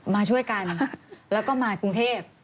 มาช่วยกันแล้วก็มากรุงเทพ